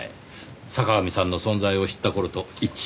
坂上さんの存在を知った頃と一致しますねぇ。